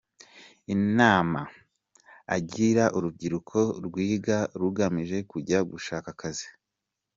Inama agira urubyiruko rwiga rugamije kujya gushaka akazi .